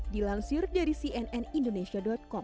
dilansir dari cnnindonesia com